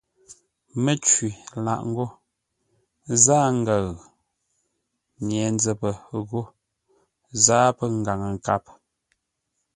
Mə́cwi lâʼ ngô: zâa ngəʉ. Nye-nzəpə ghó zâa pə̂ Ngaŋə-nkâp.